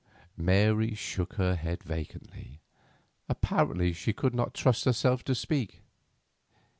Mary shook her head vacantly. Apparently she could not trust herself to speak.